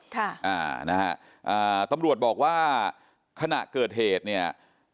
ค่ะอ่านะฮะอ่าตำรวจบอกว่าขณะเกิดเหตุเนี่ย